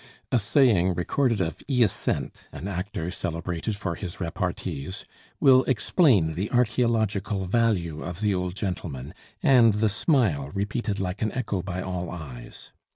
A saying recorded of Hyacinthe, an actor celebrated for his repartees, will explain the archaeological value of the old gentleman, and the smile repeated like an echo by all eyes.